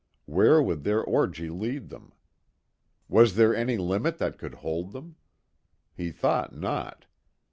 Where would their orgy lead them? Was there any limit that could hold them? He thought not.